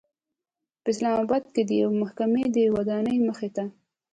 په اسلام آباد کې د یوې محکمې د ودانۍمخې ته